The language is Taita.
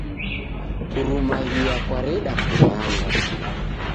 Kurumaghia kwareda kumanga.